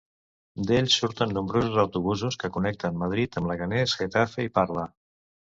D'ell surten nombrosos autobusos que connecten Madrid amb Leganés, Getafe i Parla.